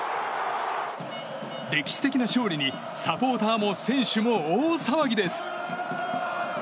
歴史的な勝利にサポーターも選手も大騒ぎです。